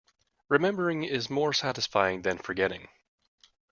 Remembering is more satisfying than forgetting.